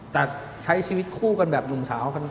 แต่ใช้ชีวิตคู่กันแบบหนุ่มสาวกัน